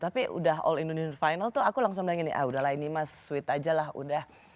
tapi udah all indonesia final tuh aku langsung bilang gini ah udahlah ini mas sweet aja lah